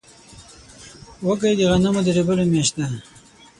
وږی د غنمو د رېبلو میاشت ده.